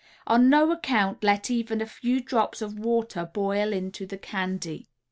On no account let even a few drops of water boil into the candy.